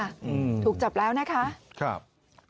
อืมถูกจับแล้วนะคะครับ